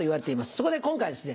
そこで今回はですね